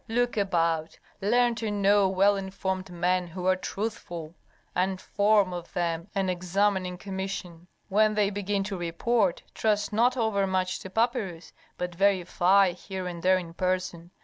Look about, learn to know well informed men who are truthful, and form of them an examining commission. When they begin to report, trust not over much to papyrus, but verify here and there in person.